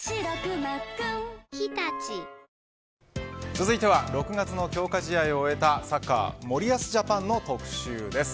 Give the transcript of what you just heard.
続いては６月の強化試合を終えたサッカー、森保ジャパンの特集です。